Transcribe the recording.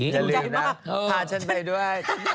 ยังเรียกน่ะพาฉันไปด้วย